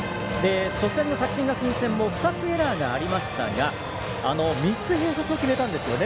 初戦の作新学院戦も２つエラーがありましたが３つ、併殺を決めたんですよね。